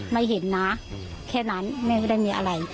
ไม่เห็นนะแค่นั้นแม่ไม่ได้มีอะไร